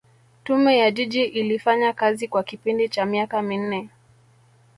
Tume ya Jiji ilifanya kazi kwa kipindi cha miaka minne